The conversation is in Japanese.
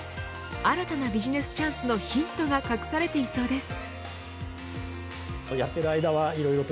新たなビジネスチャンスのヒントが隠されていそうです。